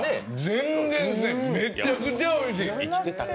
全然、めちゃくちゃおいしい。